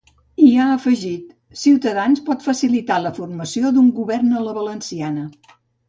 I ha afegit: Ciutadans pot facilitar la formació d’un govern a la valenciana.